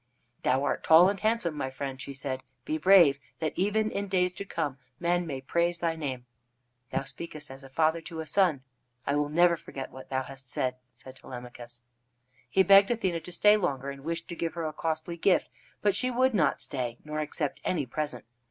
"Thou art tall and handsome, my friend," she said. "Be brave, that even in days to come men may praise thy name." "Thou speakest as a father to a son. I will never forget what thou hast said," said Telemachus. He begged Athene to stay longer, and wished to give her a costly gift. But she would not stay, nor accept any present.